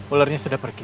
ularnya sudah pergi